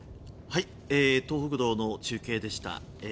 東北道の中継でした。